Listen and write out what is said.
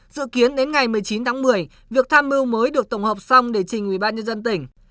dự kiến đến ngày một mươi chín tháng một mươi việc tham mưu mới được tổng hợp xong để trình ubnd tỉnh